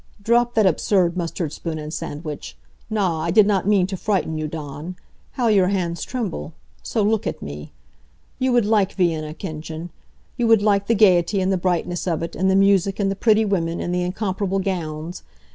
"Drop that absurd mustard spoon and sandwich. Na, I did not mean to frighten you, Dawn. How your hands tremble. So, look at me. You would like Vienna, Kindchen. You would like the gayety, and the brightness of it, and the music, and the pretty women, and the incomparable gowns.